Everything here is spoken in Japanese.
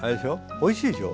おいしいでしょ？